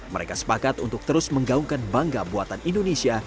mereka sepakat untuk terus menggaungkan bangga buatan indonesia